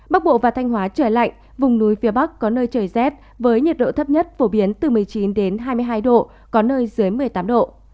bắc bộ và thanh hóa trời lạnh vùng núi phía bắc có nơi trời rét với nhiệt độ thấp nhất phổ biến từ một mươi chín đến hai mươi hai độ có nơi dưới một mươi tám độ